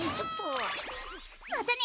またね！